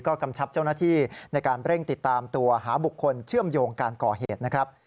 กำชับเจ้าหน้าที่ในการเร่งติดตามตัวหาบุคคลเชื่อมโยงการก่อเหตุนะครับ